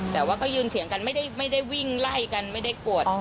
แต่ว่าก็ยืนเถียงกันไม่ได้วิ่งไล่กันไม่ได้กวด